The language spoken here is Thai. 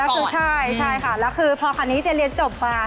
ก็คือใช่ค่ะแล้วคือพอคันนี้เจ๊เรียนจบมา